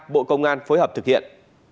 bộ công an phối hợp thực hiện